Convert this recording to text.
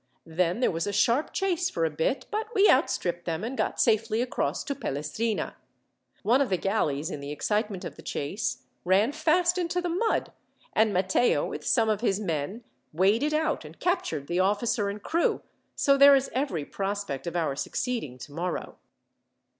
Then there was a sharp chase for a bit, but we outstripped them, and got safely across to Pelestrina. One of the galleys, in the excitement of the chase, ran fast into the mud; and Matteo, with some of his men, waded out and captured the officer and crew. So there is every prospect of our succeeding tomorrow."